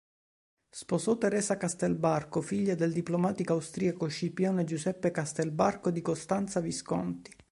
Sposò Teresa Castelbarco, figlia del diplomatico austriaco Scipione Giuseppe Castelbarco e di Costanza Visconti.